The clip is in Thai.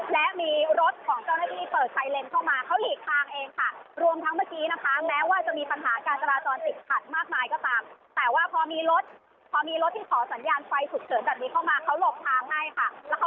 และมีรถของเจ้าหน้าที่เปิดไซเลนส์เข้ามาเขาหลีกทางเองค่ะ